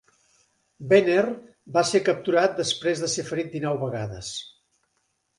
Venner va ser capturat després de ser ferit dinou vegades.